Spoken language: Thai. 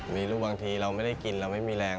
มีลูกบางทีเราไม่ได้กินเราไม่มีแรง